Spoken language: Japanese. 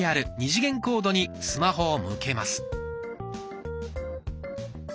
２次元コードにスマホを向けます。